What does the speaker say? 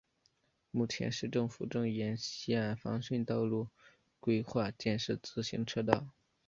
目前市府正沿溪岸防汛道路规划建设自行车道。